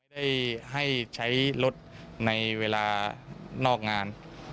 ได้ให้ใช้รถในเวลานอกงาน